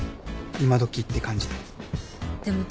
今どきって感じで。